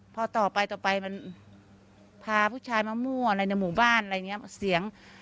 พอต่อไปต่อไปมันพาผู้ชายมามั่วอะไรในหมู่บ้านอะไรอย่างนี้เสียง